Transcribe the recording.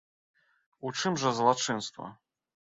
У чым жа злачынства?